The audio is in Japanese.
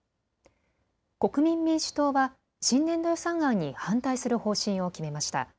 国民民主党は新年度予算案に反対する方針を決めました。